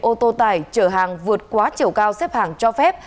ô tô tải chở hàng vượt quá chiều cao xếp hàng cho phép